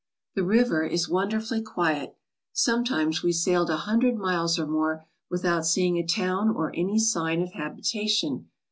The river is wonderfully quiet. Sometimes we sailed a hundred miles or more without seeing a town or any sign of habitation.